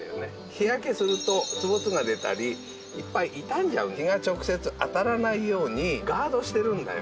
日焼けするとぼつぼつが出たりいっぱい傷んじゃう日が直接当たらないようにガードしてるんだよ